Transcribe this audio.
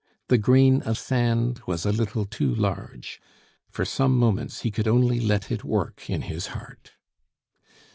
The grain of sand was a little too large; for some moments he could only let it work in his heart.